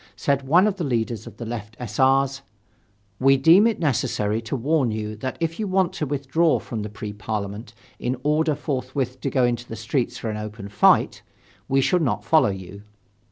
Said one of the leaders of the left S. R.'s: "We deem it necessary to warn you that if you want to withdraw from the Pre Parliament in order forthwith to go into the streets for an open fight, we shall not follow you."